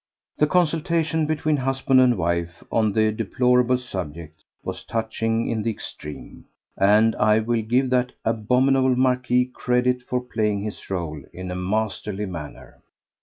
The consultation between husband and wife on the deplorable subject was touching in the extreme; and I will give that abominable Marquis credit for playing his rôle in a masterly manner.